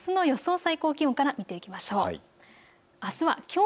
最高気温から見ていきましょう。